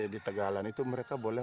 di tegalan itu mereka boleh